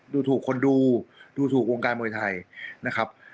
ดูถูกคนดูดูถูกวงการมวยไทยนะครับ